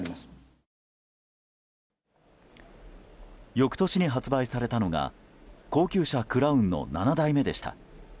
翌年に発売されたのが高級車クラウンの７代目でした。